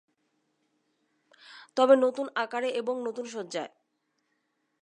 তবে নতুন আকারে এবং নতুন সজ্জায়।